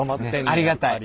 ありがたい。